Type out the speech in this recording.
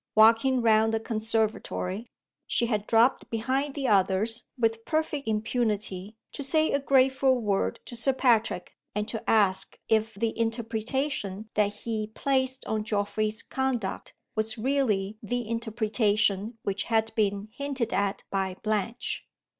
Walking round the conservatory, she had dropped behind the others with perfect impunity, to say a grateful word to Sir Patrick, and to ask if the interpretation that he placed on Geoffrey's conduct was really the interpretation which had been hinted at by Blanche.